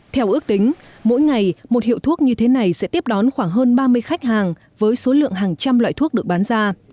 theo ước tính mỗi ngày một hiệu thuốc như thế này sẽ tiếp đón khoảng hơn ba mươi khách hàng với số lượng hàng trăm loại thuốc được bán ra